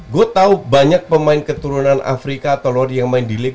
saya tahu banyak pemain keturunan afrika atau lori yang main di bintang